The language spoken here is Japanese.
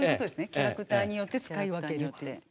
キャラクターによって使い分ける。